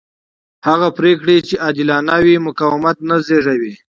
هغه پرېکړې چې عادلانه وي مقاومت نه زېږوي